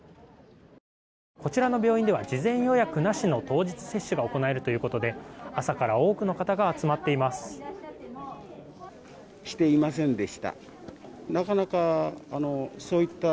こちらの病院では事前予約なしの当日接種が行えるということで朝から多くの方が集まっています。